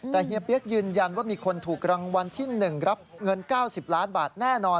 แต่เฮียเปี๊ยกยืนยันว่ามีคนถูกรางวัลที่๑รับเงิน๙๐ล้านบาทแน่นอน